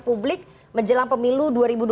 publik menjelang pemilu dua ribu dua puluh